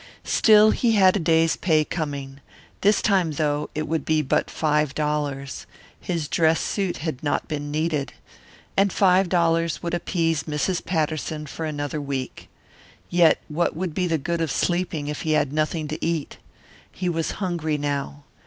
Still, he had a day's pay coming. This time, though, it would be but five dollars his dress suit had not been needed. And five dollars would appease Mrs. Patterson for another week. Yet what would be the good of sleeping if he had nothing to eat? He was hungry now.